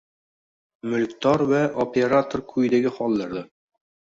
Mulkdor va operator quyidagi hollarda